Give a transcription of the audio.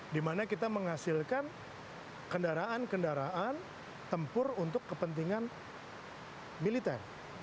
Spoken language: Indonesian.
dimana kita menghasilkan kendaraan kendaraan tempur untuk kepentingan militer